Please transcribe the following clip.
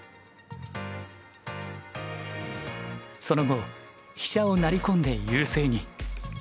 その後飛車を成り込んで優勢に。